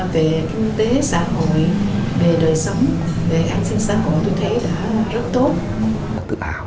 về kinh tế xã hội về đời sống về hành sinh xã hội tôi thấy đã rất tốt